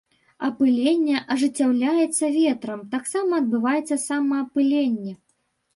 Апыленне ажыццяўляецца ветрам, таксама адбываецца самаапыленне.